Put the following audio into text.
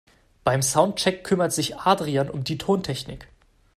Beim Soundcheck kümmert sich Adrian um die Tontechnik.